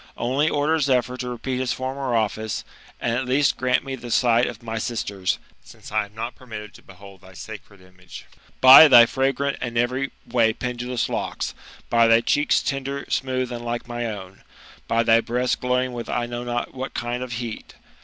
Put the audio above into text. Only order Zephyr to repeat his former office, and at least grant me the sight of my sisters, since I am not permitted to behold thy jB TBB MBTAMORPH06IS» OR suceed image. Bj thy fragrant and every way pendulous locks I By thy cheeks, tender, smooth, and like my own I By thy breast glowing with I know not what kind of heat!